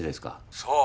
そう。